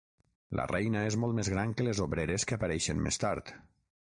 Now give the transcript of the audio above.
La reina és molt més gran que les obreres que apareixen més tard.